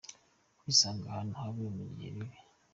kwisanga ahantu habi mu bihe bibi